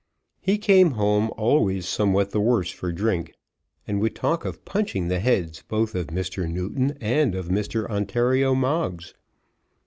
He came home always somewhat the worse for drink, and would talk of punching the heads both of Mr. Newton and of Mr. Ontario Moggs.